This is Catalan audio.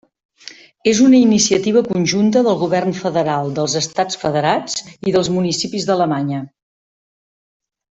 És una iniciativa conjunta del govern federal, dels estats federats i dels municipis d'Alemanya.